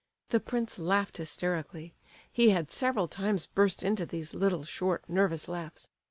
The prince laughed hysterically; he had several times burst into these little, short nervous laughs.